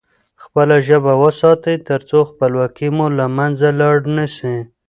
خپله ژبه وساتئ ترڅو خپلواکي مو له منځه لاړ نه سي.